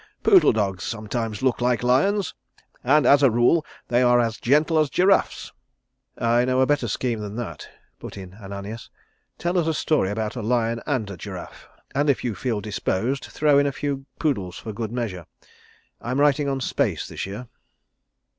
Poodle dogs sometimes look like lions, and as a rule they are as gentle as giraffes." "I know a better scheme than that," put in Ananias. "Tell us a story about a lion and a giraffe, and if you feel disposed throw in a few poodles for good measure. I'm writing on space this year."